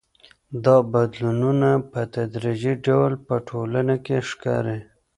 دا بدلونونه په تدريجي ډول په ټولنه کي ښکاري.